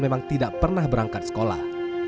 memang tidak pernah berangkat sekolah